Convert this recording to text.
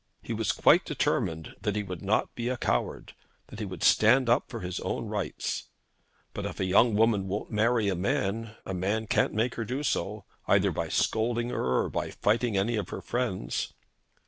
He was quite determined that he would not be a coward; that he would stand up for his own rights. But if a young woman won't marry a man, a man can't make her do so, either by scolding her, or by fighting any of her friends.